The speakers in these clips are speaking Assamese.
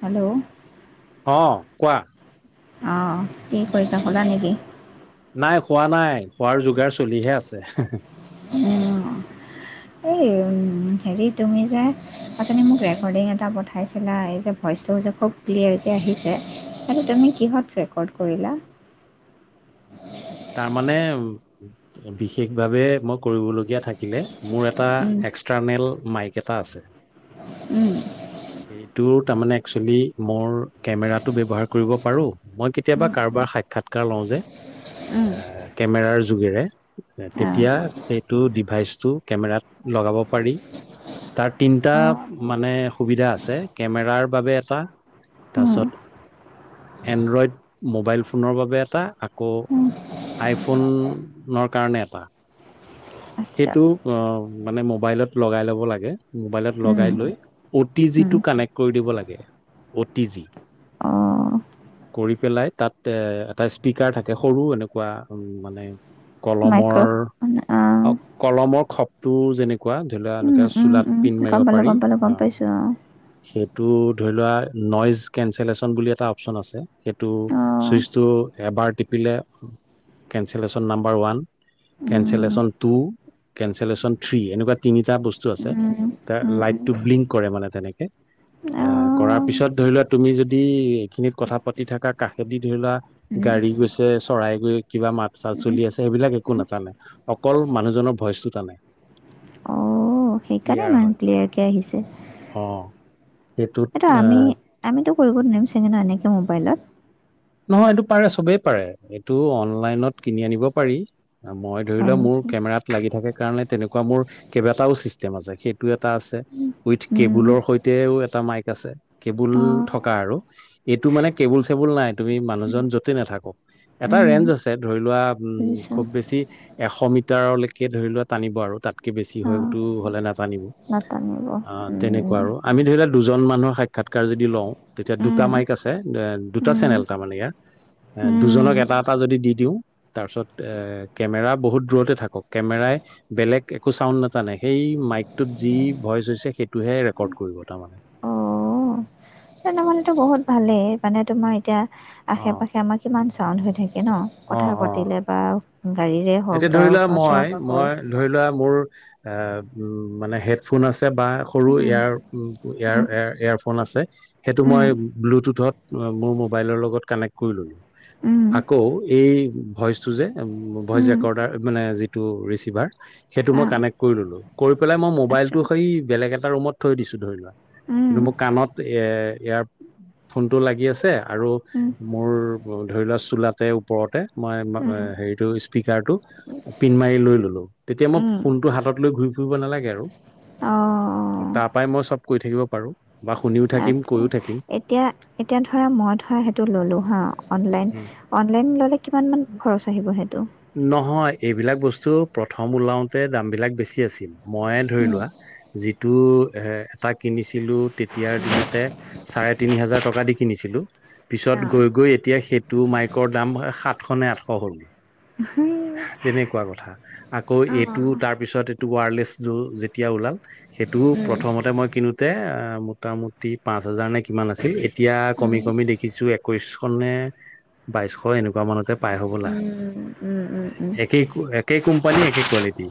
হেল্ল' অ কোৱা অঁ কি কৰিছা শুলা নিকি? নাই খোৱা নাই খোৱাৰ যোগাৰ চলিহে আছে, হে হে উম এই হেৰি, তুমি যে অথনি মোক ৰেকৰ্ডিং এটা পঠাইছিলা এই যে ভইচটোও যে খুব ক্লিয়াৰকে আহিছে। সেইটো তুমি কিহত ৰেকৰ্ড কৰিলা? তাৰ মানে বিশেষভাৱে মই কৰিবলগীয়া থাকিলে মোৰ এটা উম, এক্সটাৰ্নেল মাইক এটা আছে। উম সেইটো তাৰমানে একচুৱেলী মোৰ কেমেৰাটো ব্যবহাৰ, কৰিব পাৰো মই উম, কেতিয়াবা কাৰোবাৰ সাক্ষাৎকাৰ লওঁ যে [unintelligible] কেমেৰাৰ যোগেৰে অঁ তেতিয়া সেইটো ডিভাইচটো কেমেৰাত লগা পাব পাৰিল তাৰ তিনিটা অঁ, মানে সুবিধা আছে, কেমেৰাৰ বাবে এটা তাৰ উম, পিছত এণ্ড্ৰইড মোবাইল ফোনৰ বাবে এটা আকৌ উম, আইফোনৰ কাৰণে এটা আ সেইটো অ মানে মোবাইলত লগাই ল'ব লাগে মোবাইলত উম, লগাই লৈ অ টি জি উম, টো কাত কানেক্ট কৰি দিব লাগে অ টি জি অঁ কৰি পেলাই তাত এ এটা স্পীকাৰ থাকে সৰু এনেকুৱা উম মানে কলমৰ মাইক্ৰ' অঁ, অ কলমৰ খপটো যেনেকুৱা ধৰা উম, এনেকা উম, চুলাত উম, পিন মাৰিব গম পালোঁ পাৰি, গম পালোঁ অ গম পাইছোঁ অঁ সেইটোত ধৰি লোৱা নইজ কেনচলেচন বুলি এটা অপচন আছে। সেইটো অঁ চুইচটো এবাৰ টিপিলে কেনচেলেশ্যন নাম্বাৰ ওৱান উম, কেনচেলেশ্যন টু কেনচেলেশ্যন থ্ৰী এনেকুৱা তিনিটা বস্তু আছে উম, উম, উম, লাইটো ব্লিংক কৰে মানে তেনেকে অঁ এ কৰাৰ পিছত ধৰি লোৱা তুমি যদি এইখিনি কথাত পাতি থকা কাষেদি ধৰি লোৱা উম, গাড়ী গৈছে, চৰাই গৈ কিবা মাত চাত উম, চলি আছে, সেইবিলাক একো নাথকে টানে অকল মানুহজনৰ ভইচটো টানে। অ সেইকাৰণে ক্লিয়াৰ হয় ইমান ক্লিয়াৰ কে অ আহিছে। সেইটোত এইটো আমি আহ আমিতো কৰিব নেম চেঙেনা এনেকা মোবাইলত নহয় এইটো পাৰে চবেই পাৰে এইটো অনলাইনত কিনি আনিব পাৰি মই ধৰি হয় লোৱা মোৰ নেকি? কে কেমেৰাত লাগি থাকে কাৰণে তেনেকুৱা মোৰ কেইবাটাও চিষ্টেম আছে, সেইটো এটা আছে উইত উম, কেবুলত সৈতেও এটা মাইক আছে কেবুল অ', থকা আৰু এইটো মানে কেবুল চেবুল নাই। তুমি মানুহজন যতে নাথাকক এটা উম, ৰেঞ্জ আছে ধৰি লোৱা উম বুজিছোঁ খুব বেছি এশ মিটাৰলৈকে ধৰি লোৱা টানিব আৰু তাতকে বেছি অ', হয়তো হ'লে না আনিম নাটানিব অ উম, তেনেকুৱা আৰু আমি ধৰি লোৱা দুজন মানুহৰ সাক্ষাৎকাৰ যদি লওঁ তেতিয়া দুটা উম, মাইক আছে দুটা উম, চেনেল তামনিয়া এ উম, দুজনক এটা এটা যদি দি দিও তাৰপিছত এ কেমেৰা বহুত দূৰতে থাকক কেমেৰাই বেলেগ একো চাউণ্ড নাটানে সেই মাইক টোত যি ভইচ হৈছে সেইটোহে ৰেকৰ্ড কৰিব তাৰমানে অ তেনেহলে তো বহুত ভালেই মানে তোমাৰ এতিয়া অ আশে পাশে আমাৰ কিমান চাউণ্ড হৈ থাকে তাকে ন' অ কথা অ পতিলে বা গাড়ীৰে হওক এতিয়া বা ধৰি লোৱা ওচৰত চিঞৰ মই, বাখৰ মই ধৰি লোৱা মোৰ অ', মানে হেডফোন আছে বা সৰু উম, এয়াৰ উম, এয়াৰ এয়াৰফোন আছে। সেইটো উম, মই ব্লুটুথত মোৰ মোবাইলৰ লগত কানেক্ট কৰি ল'লো। উম, আকৌ এই ভইচটো যে এম, ভইচ যে উম, ক'ৰ্ডাৰ মানে যিটো ৰিছিভাৰ সেইটো আ, মই কানেক্ট কৰি ল'লো কৰি পেলাই মই আচ্ছা মোবাইলটো সেই বেলেগ এটা ৰুমত থৈ দিছোঁ ধৰি লোৱা। উম, কিন্তু মোৰ কাণত এ ইয়াৰ ফোনটো লাগি আছে আৰু উম। মোৰ ধৰি লোৱা চোলাতে ওপৰতে মই ম' উম, হেৰিটো এয়াৰটো পিন মাৰি লৈ ল'লো তেতিয়া মই উম, ফোনটো হাতত লৈ ঘূৰি ফুৰিব নালাগে আৰু। অ', তাৰ পৰাই মই চব কৈ থাকিব পাৰোঁ বা শুনিও থাকিম। আচ্ছা। কৈও থাকিম এতিয়া, এতিয়া ধৰা মই ধৰা সেইটো ল'লো হা অনলাইন উম অনলাইন ল'লে কিমান মান খৰচ আহিব সেইটো। নহয় এইবিলাক বস্তু প্ৰথম ওলাওঁতে দামবিলাক বেছি আছিল ময়ে ধৰি উম, লোৱা যিটো এ এটা কিনিছিলো তেতিয়াৰ দিনতে চাৰে তিনি হাজাৰ টকা দি কিনিছ ছিলো। পিছত অ', গৈ গৈ এতিয়া সেইটো মাইকৰ দাম সাতশ নে আঠশ হ'ল। উম। তেনেকুৱা কথা আকৌ এইটো তাৰ পিছত এইটো ৱাৰলেছটো যেতিয়া ওলাল সেইটোও প্ৰথমতে মই কিনোতে অ', মোটামুটি পাঁচ হাজাৰ নে কিমান আছিল এতিয়া উম, উম, কমি কমি দেখিছ চু একৈশ নে বাইছশ এনেকুৱা মানতে পাই হ'বলা। উম, উম, উম, উম, একেই কো একেই কোম্পানী একেই কোৱালিটি।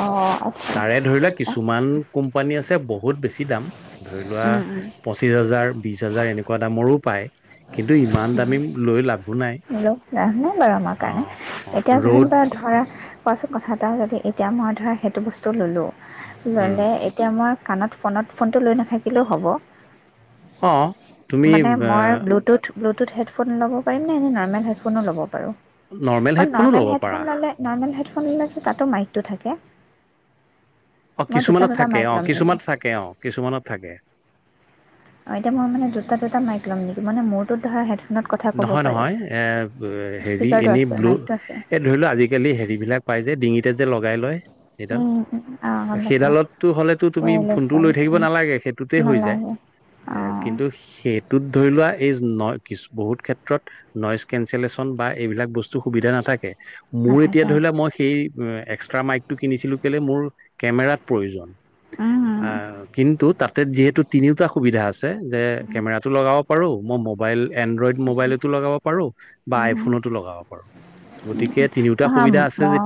অ' আচ্ছা। তাৰে ধৰি লোৱা আচ্ছা কিছুমান কোম্পানী আছে বহুত বেছি দাম ধৰি লোৱা উম, উম, পঁচিশ হাজাৰ, বিশ হাজাৰ এনে এনেকুৱা দামৰো পায়। কিন্তু, ইমান দামী লৈ লাভ লৈছা হয়নে আমাৰ কাৰণে অ এতিয়া ৰ'দ ধৰিলোৱা ধৰা কোৱাচোন কথা এটা যদি এতিয়া মই ধৰা সেইটো বস্তু ল'লোঁ, উম ল'লে এতিয়া মই কাণত ফোনত ফোনটো লৈ নাথাকিলেও হ'ব। অহ' মানে মই ব্লুটুথ ব্লুটুথ হেডফোন ল'ব পাৰিম নে এনে নৰ্মেল হেডফোনো ল'ব পাৰোঁ। অ' হেডফোনো ল'ব নৰ্মেল পাৰা হেডফোন ল'লে নৰ্মেল হেডফোন ফোন ল'লে তাতো মাইকটো থাকে। অ' মই দুটা কিছুমানত দুটা থাকে, মাইক অ' ল'ম নেকি কিছুমানত থাকে, অ' কিছুমানত থাকে। অ' এতিয়া মই মানে দুটা দুটা মাইক ল'ম নেকি মানে মোৰটো ধৰা কথা ক'ব নহয়, পাৰি নহয় এ হেৰি স্পীকাৰটো এনি আছে ব্লু মাইকটো আছে এই ধৰি লোৱা আজিকালি হেৰি বিলাক পাই যে ডিঙিত তে যে লগাই লয়। সেইডাল অঁ গম পাইছোঁ সেইডালতো হলেতো তুমি ৱায়াৰলেছ ফোনটো ডাল লৈ থাকিব নালাগে সেইটোতে হৈ যায়। নালাগে এ অঁ কিন্তু সেইটোত ধৰি লোৱা এইজ ন কিছু বহুত ক্ষেত্ৰত নইজ কেনচলেচন বা এইবিলাক বস্তু সুবিধা নাথাকে। মোৰ এতিয়া নাথাকে ধৰি লোৱা মই সেই এক্সট্ৰা মাইক টো কিনিছিলোঁ কেলে মোৰ কেমেৰাত প্ৰয়োজন। অঁ আহ কিন্তু তাতে যিহেতু তিনিওটা সুবিধা আছে। তাতে যে কেমেৰাটো লগাব পাৰোঁ। মই মোবাইল এনড্ৰইড মোবাইলতো লগাব পাৰোঁ বা আইফোনতো লগাব পাৰোঁ। উম, অহ, মই মই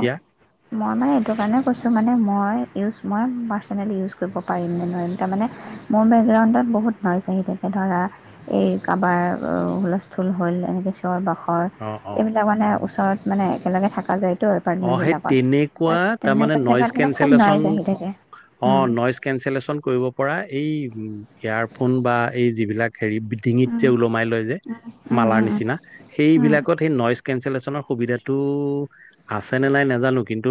মানে এইটো কাৰণে কৈছোঁ মানে মই ইউজ মই পাছ চেনেলি ইউজ কৰিব পাৰিম নে নোৱাৰিম তাৰমানে মোৰ বেকগ্ৰাউণ্ডত বহুত ন'ইচ আহি থাকে ধৰা এই কাবাৰ অ', হুলস্থুল হ'ল এনেকে চিঞৰ বাখ খৰ অ', অ', এইবিলাক মানে ওচৰত মানে একেলগে থকা যায় টো অ', সেই এপাৰ্টমেন্টবিলাকত তেনেকুৱা তাত তাৰমানে তেনেকুৱা নইজ জেগাত মানে খুব কেনচেলেচন ন'ইজ আহি থাকে। অ উম নইচ কেঞ্চেলেশ্যন কৰিব পৰা এই ইয়াৰফোন বা এই যিবিলাক হেৰি ডিঙিত উম যে ওলমাই লয় যে উম মালাৰ উম নিচিনা উম সেইবিলাকত সেই নইচ কেঞ্চেলেশ্যনৰ সুবিধাটো আছে নে নাই নাজানো কিন্তু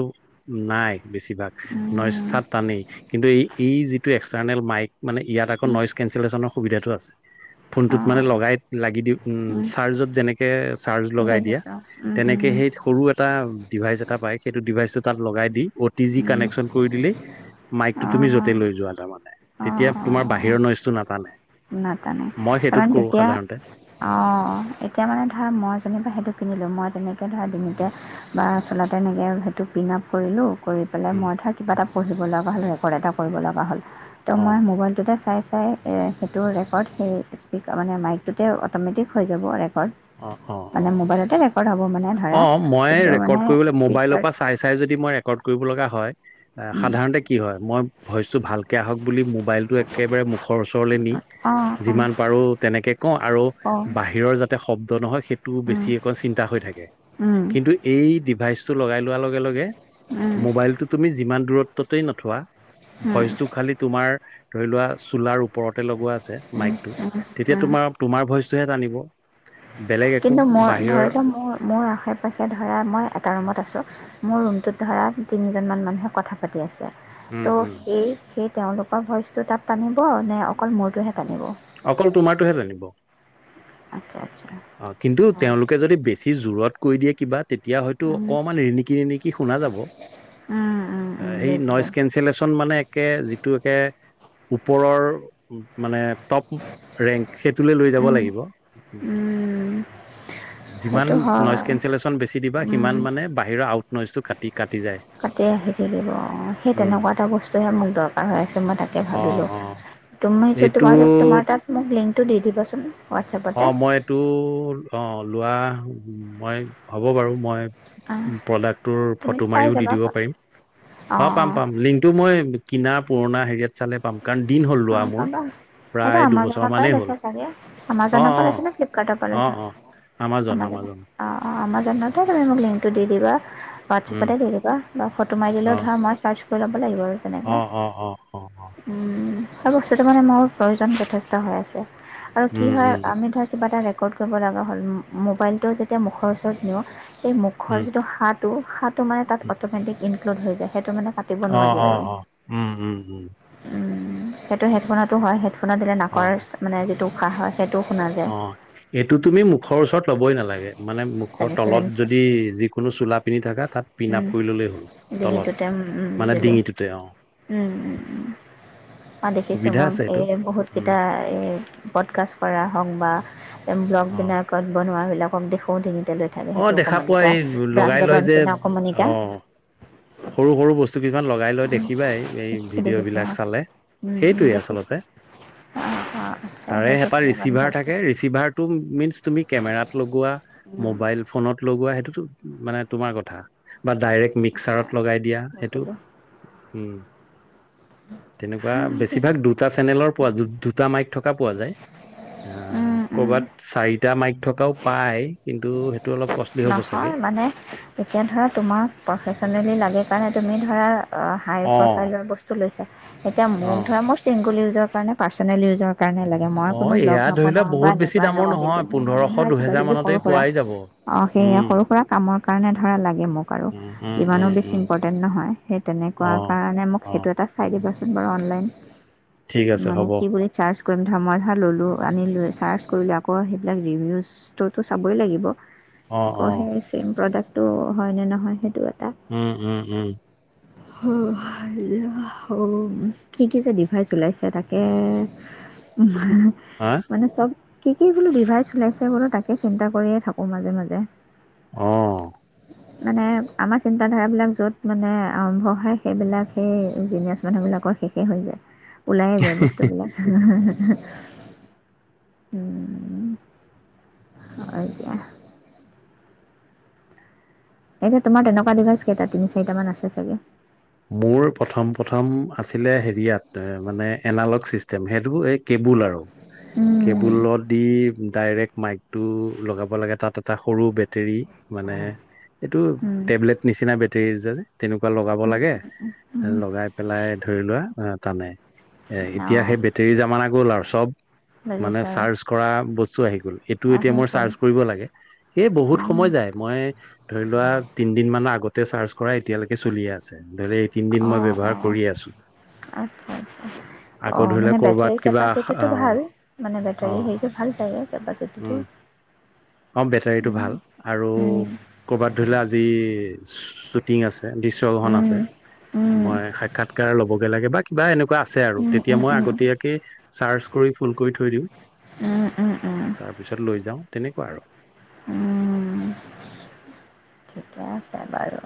নাই। বেছিভাগ উম নস্থাত টানেই কিন্তু এই এই যিটো এক্সটাৰ্নেল মাইক মানে ইয়াত আকৌ উম উম নইচ কেঞ্চেলেশ্যনৰ সুবিধাটো আছে। ফোনটোত মানে অঁ লগাই, লাগি দি, উম চাৰ্জত যেনেকে চাৰ্জ লগাই দিয়া বুজিছোঁ উম উম তেনেকে সেই সৰু এটা ডিভাইচ এটা পায় সেইটো ডিভাইচটো তাত লগাই দি অ টি জি উম কানেকশ্যন কৰি দিলেই মাইকটো অঁ তুমি য'তে অঁ লৈ যোৱা তাৰ মানে তেতিয়া তোমাৰ বাহিৰৰ নইচটো নাতানে। নাটানে, তাৰমানে তেতিয়া, অ, এতিয়া মানে ধৰা মই যেনিবা সেইটো [unintelligible] তেনেকে ধৰা ডিঙিতে বা চলাত তেনেকে সেইটো পিন আপ কৰিলোঁ কৰি পেলাই উম মই ধৰা কিবা এটা পঢ়িব লগা হ'ল ৰেকৰ্ড এটা কৰিব লগা হ'ল তো অ মই মোবাইলটোতে চাই চাই এ সেইটো ৰেকৰ্ড সেই স্পীক মানে মাইকটোতে অট'মেটিক হৈ যাব অ অ অ মানে মোবাইলতে ৰেকৰ্ড হ'ব মানে অ ধৰা কিন্তু মানে স্পীকাৰ সেইটো যদি মই ৰেকৰ্ড কৰিৱ লগা হয় সাধাৰণতে কি হয় মই ভইচতো ভালকে আহক বুলি মোবাইলটো একেবাৰে মূখৰ ওচৰলৈ নি যিমান পাৰো তেনেকে কওঁ আৰু অঁ অঁ বাহিৰৰ যাতে শব্দ নহয় সেইটো বেছিকৈ চিন্তা হৈ থাকে কিন্তু ডিভাইচটো লগাই লোৱাৰ লগে লগে মোবাইলটো তুমি যিমান দূৰত্বতেই নথোৱা ভইচটো খালি তোমাৰ ধৰি লোৱা চোলাৰ ওপৰতে লগোৱা আছে মাইকটো তেতিয়া অঁ তোমাৰ তোমাৰ ভইচটোহে টানিব। বেলেগ একো কিন্তু মই বাহিৰৰ ধৰি লওক মোৰ মোৰ আশে পাশে ধৰা মই এটা ৰুমত আছোঁ। মোৰ ৰুমটোত ধৰা তিনিজনমান মানুহে কথা পাতি আছে উম ত' উম সেই সেই তেওঁলোকৰ ভইচটো তাত টানিব নে অকল মোৰটোহে টানিব? অকল তোমাৰটোহে টানিব। আচ্ছা আচ্ছা অ কিন্তু তেওঁলোকে যদি বেছি জোৰত কৈ দিয়ে কিবা তেতিয়া হয়তো উম, অকমান ৰিনিকি ৰিনিকি শুনা যাব। উম, উম, উম, সেই নইচ বুজিলোঁ কেঞ্চেলেশ্যন মানে একে যিটো একে ওপৰৰ মানে টপ ৰেংক সেইটোলৈ লৈ যাব উম, লাগিব। উম, যিমান সেইটো নইচ হয় কেঞ্চেলেশ্যন বেছি দিবা উম, সিমান মানে বাহিৰ আউট নইচটো কাটি যায় কাটি আহি থাকিব অ সেই উম তেনেকুৱা এটা বস্তুহে মোক দৰকাৰ হৈ আছে মই তাকে অ ভাবিলোঁ। অ তুমি এইটো তোমাৰ তোমাৰ তাত মোক লিংকটো দি দিবাচোন। অ হোৱাটছএপতে মই এইটো অ লোৱা মই হ'ব বাৰু মই অ', প্ৰডাক্টটোৰ ফটো তুমিতো পাই মাৰিও দি যাবা দিব পাৰিম। অ অঁ পাম অঁ পাম লিংকটো মই কিনা পুৰণা হেৰিয়াত চালে পাম। কাৰণ দিন হ'ল অ লোৱা মোৰ পাবা এইটো প্ৰায় দুবছৰ আমাজনৰ পৰাই মানেই হ'ল লৈছে ছাগে। অ আমাজনৰ পৰা অ লৈছেনে ফ্লিপকাৰ্টৰ পৰা অ লৈছা? অ আমাজন আমাজনৰ, আমাজন অ অ আমাজনৰ। ন তুমি মোক লিংকটো দি দিবা উম হোৱাটছএপতে দি দিবা বা ফটো মাৰি দিলেও অ ধৰা মই চাৰ্চ কৰি ল'ব লাগিব আৰু তেনেকাে অ অ অ অ অ উম। এই বস্তুটো মানে মোৰ প্ৰয়োজন যথেষ্ট হৈ আছে আৰু কি উম হয় উম আমি ধৰা কিবা এটা ৰেকৰ্ড কৰিব লগা হ'ল মোবাইলটো যেতিয়া মুখৰ ওচৰত নিওঁ সেই মুখৰ উম যিটো সাঁটো সাঁ টো মানে তাত উম অটোমেটিক ইনক্লুদ হৈ যায় সেইটো মানে পাতিব অ নোৱাৰি অ আৰু, অ উম উম উম উম। সেইটো হেডফোনতো হয় হেডফোনত দিলে অ নাকৰ মানে যিটো উশাহ হয়। সেইটোও শুনা যায় অ, এইটো তুমি মুখৰ ওচৰত লবই নালাগে মানে মুখৰ জানিছো তলত জানিছো যদি যিকোনো চোলা পিন্ধি থাককা তাত পিণ্ উম আপ কৰি ললেই হ'ল তলত মানে ডিঙিটোতে অ। উম, উম, উম ম দেখিছোঁ সুবিধা মই আছে এইটো এই উম বহুতকেইটা এই পডকাষ্ট কৰা হওঁক বা ব্লগ অ বিলাকত বনোৱা বিলাকক দেখোও লৈ থালো অ সেইটো দেখা পোৱা অকমানিকা এই ব্ৰাছ লগাই লয় বাটৰ যে নিচিনা অকমানিকা অ সৰু, সৰু বস্তু কিছুমান লগাই লৈ দেখিবাই এই ভিডিঅ' বিলাক চালে সেইটোৱে দেখিছ আচলতে অ ', অ', তাৰে এটা ৰিচিভাৰ থাকে ৰিচিভাৰ টো মিনচ তুমি কেমেৰাত লগোৱা উম মোবাইল ফোনত লগোৱা সেইটোতো মানে তোমাৰ কথা বা ডাইৰেক্ট আচ্ছা মিক্সাৰত লগাই দিয়া সেইটো বুজিলোঁ উম, তেনেকুৱা বেছিভাগ দুটা চেনেলৰ পোৱা দুটা মাইক থকা পোৱা যায় আহ, এতিয়া কৰ'বাত চাৰিটা মাইক থকাও পায় কিন্তু অলপ কষ্টলি হ'ব চাগে। নহয় মানে এতিয়া ধৰা তোমাক প্ৰফেচনেলি লাগে কাৰণে তুমি ধৰা হাই অ', প্ৰফাইলৰ বস্তু লৈছে এতিয়া মোক অ', ধৰে মোৰ ছিংগল ইউজৰ কাৰণে পাৰ্চনেল ইউজৰ কাৰণে সকাৰণে লাগে মই অ', কোনো ব্লগ এয়া ধৰি লোৱা নবনাওঁ বা বহুত বেছি নব দামৰ নকওঁ কিন্তু নহয় মোৰ মানে পোন্ধৰশ ধৰা কিবা দুহেজাৰ কিবি সৰু মানতেই সুৰা পোৱাই যাব। অ', সে উম, সৰু সুৰা কামৰ কাৰণে ধৰা লাগে মোক আৰু উম, উম, ইমানো উম, বেছি উম, ইম্পৰ্টেণ্ট নহয় সেই তেনে তেুৱ অ', কাৰণে মোক অ', সেইটো এটা চাই তাৰপিছত বাৰু অনলাইন ঠিক আছে মানে হ'ব অ', কি বুলি চাচ কৰিম ধৰা মই ধৰা বুলি ল'লে চাৰ্চ কৰিলে আকৌ সেইবিলাক ৰিভিউজটোতো চাবই লাগিব আকৌ অ', সেই চেম প্ৰডাক্ট তো হয়নে, নহয় সেইটো এটা উম, উম, উম, [unintelligible] কি, কিডিভাইছ ওলাইছে তাকে উম, হা মানে চব কি, কি বোলো ডিভাইচ ওলাইছে বোলো তাকে চিন্তা কৰিয়ে থাকোঁ মাজে মাজে [unintelligible] অহ মানে আমাৰ চিন্তাধাৰাবিলাক য'ত মানে আৰম্ভ হয় সেইবিলাক সেই জিনয়ছ মানুহবিলাক শেষেই হৈ যায় ওলায়ে যায় বস্তুবিলাক [unintelligible] এতিয়া তোমাৰ তেনেকুৱা ডিভাইচ কে এটা তিনি চাৰিটামান আছে চাগে মোৰ প্ৰথম, প্ৰথম আছিলে হেৰিয়াত মানে এনালগ চিষ্টেম সেইটোৰ এই কেবুল আৰু কেবুলত দি ডাইৰেক্ট মাইক টো লগাব লাগে তাত এটা সৰু বেটেৰী মানে এইটো টেবলেট নিচিনা বেটেৰী যে তেনেকুৱা লগাব লাগে লগাই পেলাই ধৰি লোৱা টানে এ এতিয়া অঁ সেই বেটেৰী জামানা গল আৰু চব মানে বুজিছোঁ আৰু চাৰ্চ কৰা বস্তু আহি গ'ল এইটো এতিয়া আহি মই চাৰ্চ কৰিব লাগে সেই বহুত গ'ল সময় য মই ধৰি লোৱা তিন দিন মানৰ আগতে চাৰ্চ কৰা এতিয়ালৈকে চলিয়ে আছে ধলে এই তিনদিন মই অঁ ব্যৱহাৰ অঁ কৰি আছো আচ্ছা, আচ্ছা আকৌ অ', ধৰি মানে লওক কৰ'বাত বেটাৰী কিবা কেপাচিটিটো অ ভাল মানে অ বেটাৰী হেৰিটো ভাল থাকে উম কেপাচিটিটো [unintelligible] অ', বেটাৰীটো উম ভাল আৰু উম কৰ'বাত ধৰিলোৱা আজি শ্বুটিং আছে দৃশ্ গ্ৰহণ আছে উম মই সাক্ষাৎকাৰ লবগে লাগে বা কিবা এনেকুৱা এুৱা আছে আৰু উম তেতিয়া উম উম মই উম আগতীয়াকে চাৰ্চ কৰি ফুল কৰি থৈ দিওঁ উম, উম, উম তাৰপিছত লৈ যাওঁ তেনেকুৱা আৰু ঠিকে, আছে বাৰু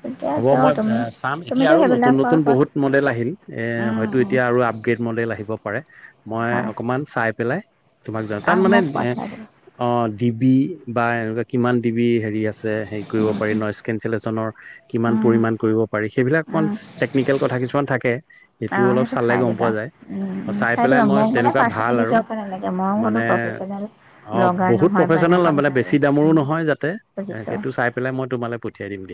ঠিকে হ'ব আছে অঁ মই তুমি চাম এতিয়া তুমিতো আৰু নতুন, সেইবিলাক পোৱাৰ নতুন ওপৰত বহুত মডেল আহিল এ উম, হয়তো উম, এতিয়া আৰু আপগ্ৰেড মডেল আহিব পাৰে মই হয় অকমান চাই পেলাই তোমাক য তাত আহ মানে মোক এ পঠাই দিবা অ ডি বি বা এনেকুৱা কিমান ডি বি হেৰি আছে হেৰি কৰিব পাৰি ন ইজ কেনচেলেচনৰ কিমান পৰিমাণ কৰিব পাৰি সেইবিলাকমান টেকনিকেল কথা কিছুমান থাকে সেইটো অঁ অলপ সেইটো চালে চাই গম দিবা পোৱা যায় উম, উম, চাই পেলাই দিবা মই মোক মানে তেনেকুৱা ভাল পাৰ্চনেলি আৰু জব নালাগে ময়ো কোনো মানে প্ৰফেচনেল ব্লগাৰ বহুত নহয় বা প্ৰফেচনেল এনেকুৱা নহয় আৰু বেছি দামৰো উম, নহয় যাতে বুজিছোঁ সেইটো চাই পেলাই মই তোমালৈ পঠিয়াই দিম দিয়া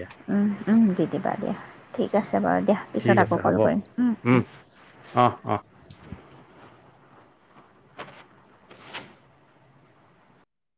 উম দি দিবা দিয়া ঠিক আছে বাৰু দিয়া ঠিক পিছত আছে আকৌ হ'ব কল কৰিম উম হুম অ অ